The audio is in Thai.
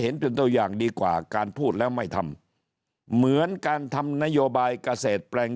เห็นเป็นตัวอย่างดีกว่าการพูดแล้วไม่ทำเหมือนการทำนโยบายเกษตรแปลง